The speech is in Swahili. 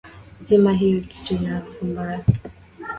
Zima hiyo kitu ina harufu mbaya